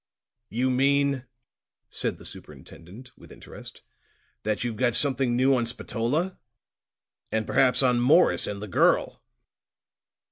"You mean," said the superintendent with interest, "that you've got something new on Spatola and perhaps on Morris and the girl!"